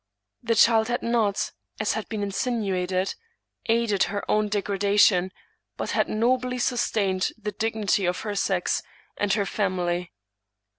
The child had not, as had been insinuated, aided her own deg^dation, but had nobly sustained the dignity of her sex and her family.